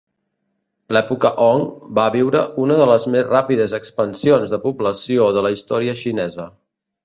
L'època Hong va viure una de les més ràpides expansions de població de la història xinesa.